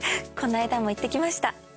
この間も行ってきました。